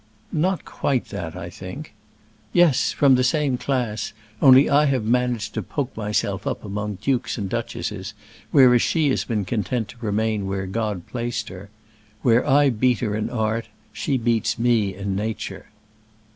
"Not quite that, I think." "Yes, from the same class; only I have managed to poke myself up among dukes and duchesses, whereas she has been content to remain where God placed her. Where I beat her in art, she beats me in nature."